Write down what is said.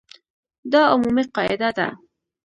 دا عمومي قاعده ده.